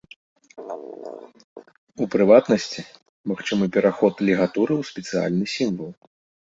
У прыватнасці, магчымы пераход лігатуры ў спецыяльны сімвал.